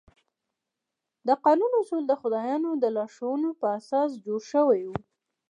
د قانون اصول د خدایانو د لارښوونو پر اساس جوړ شوي وو.